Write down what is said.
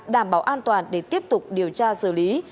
đảm bảo an toàn để tiếp tục điều tra xử lý